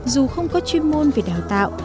dù không có chuyên môn về đào tạo